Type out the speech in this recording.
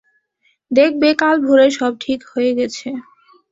দেখবে কাল ভোরেই সব ঠিক হয়ে গেছে।